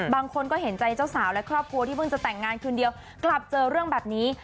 บางคนก็เห็นใจเจ้าสาวและครอบครัวที่เพิ่งจะแต่งงานคืนเดียวกลับเจอเรื่องแบบนี้